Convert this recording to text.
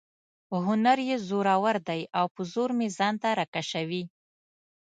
هنر یې زورور دی او په زور مې ځان ته را کشوي.